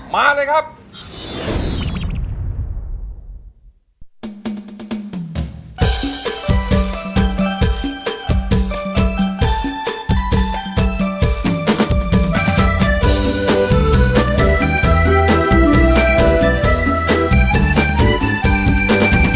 มาเลยครับ